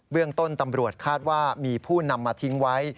เรื่องต้นตำรวจคาดว่ามีผู้นำมาทิ้งไว้